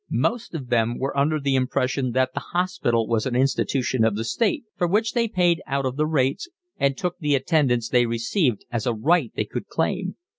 Most of them were under the impression that the hospital was an institution of the state, for which they paid out of the rates, and took the attendance they received as a right they could claim.